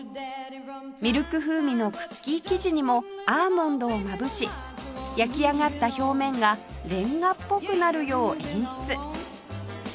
ミルク風味のクッキー生地にもアーモンドをまぶし焼き上がった表面がレンガっぽくなるよう演出